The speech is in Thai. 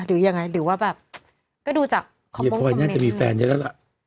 หรือยังไงหรือว่าแบบก็ดูจากจะมีแฟนเยอะแล้วล่ะ